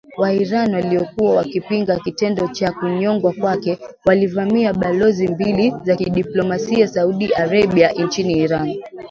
WaIran waliokuwa wakipinga kitendo cha kunyongwa kwake, walivamia balozi mbili za kidiplomasia za Saudi Arabia nchini Iran.